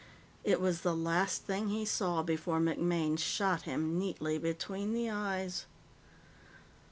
It was the last thing he saw before MacMaine shot him neatly between the eyes.